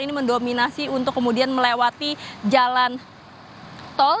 ini mendominasi untuk kemudian melewati jalan tol